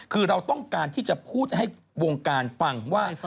คือเราต้องการที่จะพูดให้วงการฟังว่า